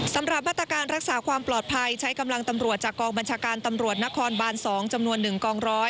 สำหรับมาตรการรักษาความปลอดภัยใช้กำลังตำรวจจากกองบัญชาการตำรวจนครบาน๒จำนวน๑กองร้อย